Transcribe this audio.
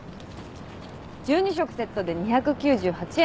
１２食セットで２９８円。